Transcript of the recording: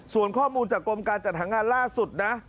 ส่วนข้อมูลจากกรมการจัดหางานล่าสุดนะ